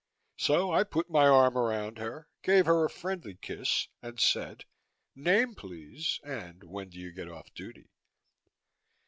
So I put my arm around her, gave her a friendly kiss and said, "Name, please, and when do you get off duty?"